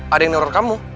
ada yang neror kamu